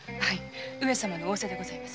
上様の仰せでございます。